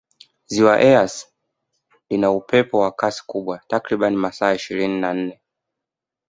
ziwa eyasi lina upepo wa Kasi kubwa takribani masaa ishirini na nne